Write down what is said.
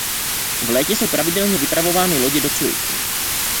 V létě jsou pravidelně vypravovány lodě do Curychu.